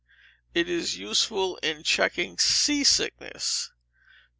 It is useful in checking sea sickness.